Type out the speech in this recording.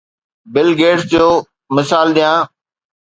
Bill Gates جو مثال ڏيان.